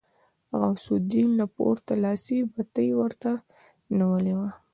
غوث الدين له پورته لاسي بتۍ ورته نيولې وه.